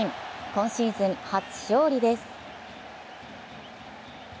今シーズン初勝利です。